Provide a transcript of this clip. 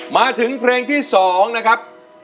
มาถึงเพลงที่๒นะครับ